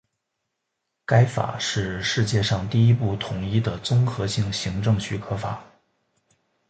该法是世界上第一部统一的综合性行政许可法。